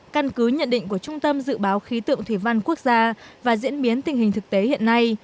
căn cứ nhận định của trung tâm dự báo khí tượng thủy văn quốc gia và diễn biến tình hình thực tế hiện nay